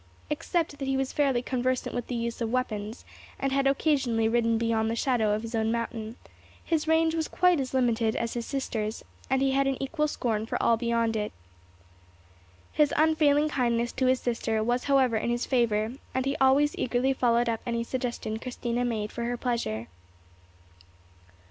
Except that he was fairly conversant with the use of weapons, and had occasionally ridden beyond the shadow of his own mountain, his range was quite as limited as his sister's; and he had an equal scorn for all beyond it. His unfailing kindness to his sister was however in his favour, and he always eagerly followed up any suggestion Christina made for her pleasure.